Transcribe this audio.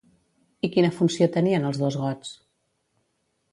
I quina funció tenien els dos gots?